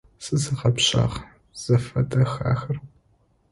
Сызэгъэпшагъ, зэфэдых ахэр!